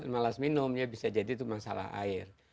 malas minum ya bisa jadi itu masalah air